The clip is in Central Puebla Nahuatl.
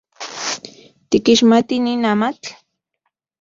¿Tikixmati nin amatl?